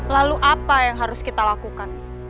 lalu apa yang harus kita lakukan